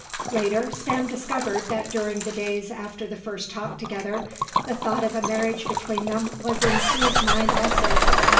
Later, Sam discovered that during the days after the first talk together the thought of a marriage between them was in Sue's mind also.